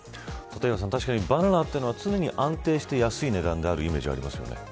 確かにバナナというのは安定して安い値段であるイメージがありますよね。